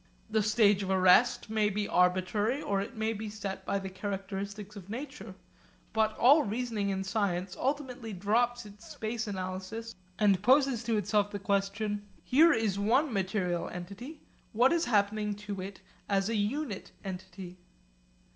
The stage of arrest may be arbitrary or may be set by the characteristics of nature; but all reasoning in science ultimately drops its space analysis and poses to itself the problem, 'Here is one material entity, what is happening to it as a unit entity?'